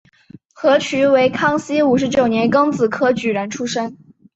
何衢为康熙五十九年庚子科举人出身。